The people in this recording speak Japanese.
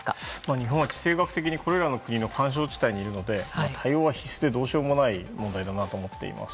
日本は地政学的にこれらの国の緩衝地帯なので対応は必須でどうしようもない問題だと思っています。